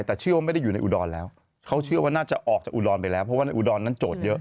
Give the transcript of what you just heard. แต่แล้วเขาเชื่อว่าน่าจะออกจากอุดรรน์ไปแล้วในอุดรรน์นั้นโจทย์เยอะ